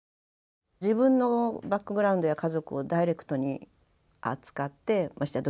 自分のバックグラウンドや家族をダイレクトに扱ってましてや